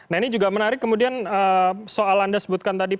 nah ini juga menarik kemudian soal anda sebutkan itu ya pak rian